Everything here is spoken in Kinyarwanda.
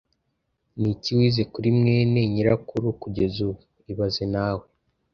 Ni iki wize kuri mwene nyirakuru kugeza ubu ibaze nawe